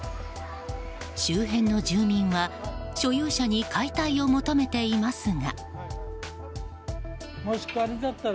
周辺の住民は所有者に解体を求めていますが。